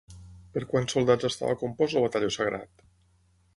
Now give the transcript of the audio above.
Per quants soldats estava compost el Batalló Sagrat?